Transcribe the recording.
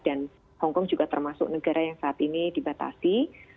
dan hongkong juga termasuk negara yang saat ini dibatasi